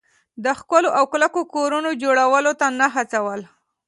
د ښکلو او کلکو کورونو جوړولو ته نه هڅول.